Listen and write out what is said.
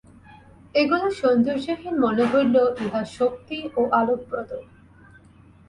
এগুলি সৌন্দর্যহীন মনে হইলেও ইহা শক্তি ও আলোকপ্রদ।